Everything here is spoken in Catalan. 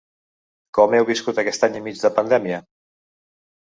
Com heu viscut aquest any i mig de pandèmia?